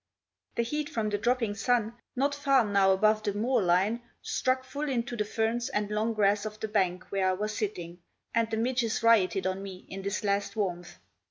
The heat from the dropping sun, not far now above the moorline, struck full into the ferns and long grass of the bank where I was sitting, and the midges rioted on me in this last warmth.